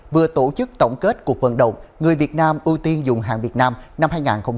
vừa tổ chức tổng kết cuộc vận động người việt nam ưu tiên dùng hàng việt nam năm hai nghìn hai mươi